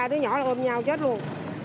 ba đứa nhỏ ôm nhau chết luôn